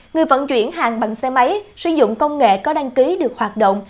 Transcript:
người vận chuyển hàng bằng xe máy sử dụng công nghệ có đăng ký được hoạt động